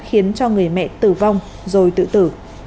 khiến cho người mẹ tử vong rồi tự tử